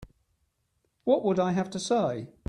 What would I have to say?